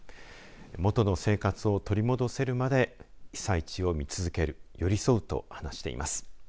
元の生活を取り戻せるまで被災地を見続けるよりそうと話しています。